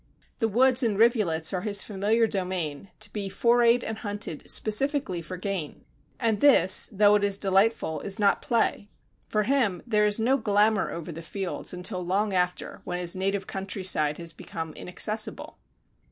The woods and rivulets are his familiar domain, to be forayed and hunted specifically for gain. And this, though it is delightful, is not play. For him, there is no glamour over the fields until long after, when his native countryside has become inaccessible.